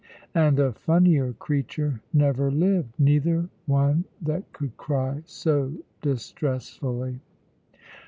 And a funnier creature never lived, neither one that could cry so distressfully.